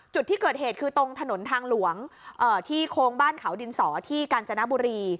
จุดที่เกิดเหตุคือตรงถนนทางหลวงที่โค้งบ้านเขาดินสอที่กาญจนบุรี